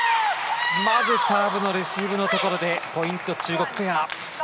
まずサーブのレシーブのところでポイント、中国ペア。